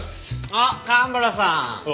あっ蒲原さん！